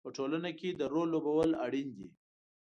په ټولنه کې د رول لوبول اړین دي.